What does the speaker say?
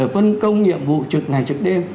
phân công nhiệm vụ trực ngày trực đêm